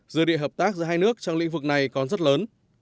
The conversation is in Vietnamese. dự định hợp tác giữa hai nước trong lĩnh vực này còn rất lớn